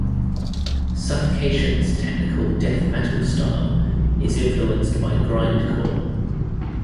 Suffocation's technical death metal style is influenced by grindcore.